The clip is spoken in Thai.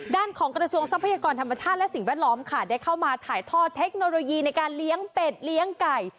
ด้านของกระทรวงทรัพยากรธรรมชาติและสิ่งแวดล้อมค่ะได้เข้ามาถ่ายทอดเทคโนโลยีในการเลี้ยงเป็ดเลี้ยงไก่